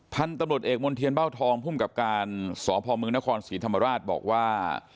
พันธุ์ตำรวจเอกมณ์เทียนเบ้าทองภูมิกับการสพมนครศรีธรรมราชบอกว่า